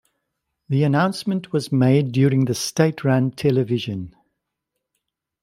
The announcement was made during the state run television.